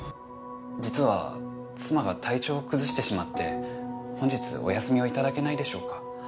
実は妻が体調を崩してしまって本日お休みを頂けないでしょうか？